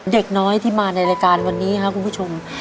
เด็กน้อยที่มาในรายการวันนี้ครับคุณผู้ชม